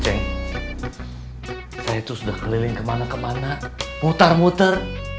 ceng saya tuh sudah keliling kemana kemana muter muter